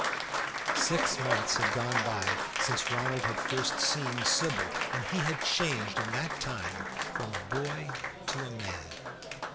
Six months had gone by since Ronald had first seen Sybil, and he had changed in that time from boy to man.